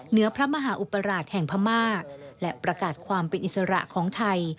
เหนือพระมหาอุปราชแห่งพม่าและประกาศความเป็นอิสระของไทย